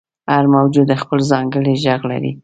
• هر موجود خپل ځانګړی ږغ لري.